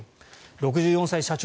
６４歳社長